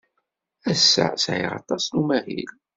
Ass-a, sɛiɣ aṭas n umahil.